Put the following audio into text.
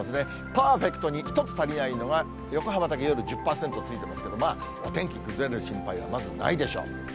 パーフェクトに１つ足りないのが、横浜だけ夜１０％ついてますけど、まあ、お天気崩れる心配はまずないでしょう。